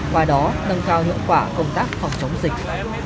qua đó nâng cao hiệu quả công tác phòng chống dịch